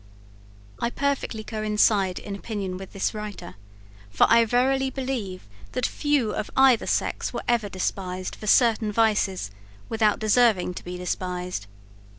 I perfectly coincide in opinion with this writer, for I verily believe, that few of either sex were ever despised for certain vices without deserving to be despised.